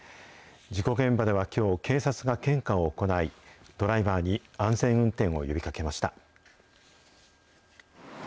事故現場ではきょう、警察が献花を行い、ドライバーに安全運転を呼びかけました。